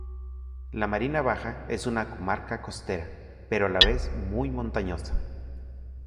La Marina Baja es una comarca costera, pero a la vez muy montañosa.